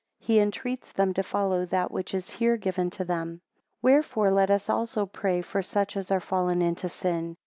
He entreats them to follow that which is here given to them. WHEREFORE let us also pray for such as are fallen into sin.